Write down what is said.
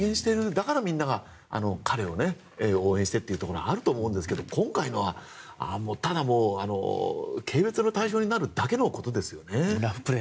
だからみんなが彼を応援してというところがあると思うんですが今回のは、ただ軽蔑の対象になるだけのことですよね。